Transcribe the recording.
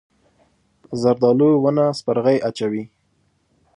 زردالو ونه سپرغۍ اچوي.